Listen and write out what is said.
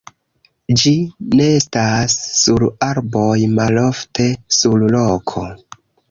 Ĝi nestas sur arboj, malofte sur roko.